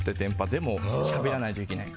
でもしゃべらないといけない。